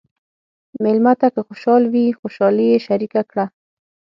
مېلمه ته که خوشحال وي، خوشالي یې شریکه کړه.